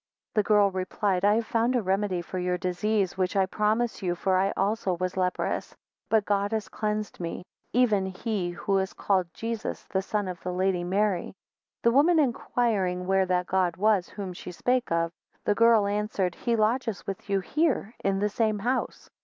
28 The girl replied I have found a remedy for your disease, which I promise you, for I also was leprous, but God hath cleansed me, even he who is called Jesus the son of the Lady Mary. 29 The woman inquiring where that God was, whom she spake of; the girl answered, He lodges with you here, in the same house.